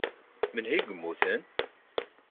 Menhu i yemmuten?